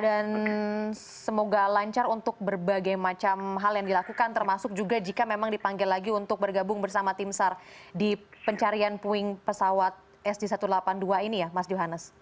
dan semoga lancar untuk berbagai macam hal yang dilakukan termasuk juga jika memang dipanggil lagi untuk bergabung bersama timsar di pencarian poin pesawat sd satu ratus delapan puluh dua ini ya mas johannes